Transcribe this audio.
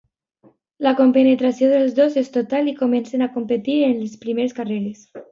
La compenetració dels dos és total, i comencen a competir en les primeres carreres.